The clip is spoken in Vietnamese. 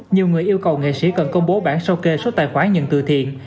nhiều người yêu cầu nghệ sĩ cần công bố bản sao kê số tài khoản nhận từ thiện